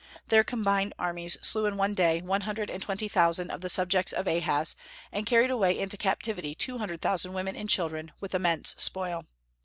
Their combined armies slew in one day one hundred and twenty thousand of the subjects of Ahaz, and carried away into captivity two hundred thousand women and children, with immense spoil.